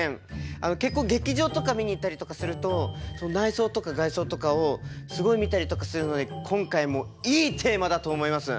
結構劇場とか見に行ったりとかすると内装とか外装とかをすごい見たりとかするので今回もいいテーマだと思います。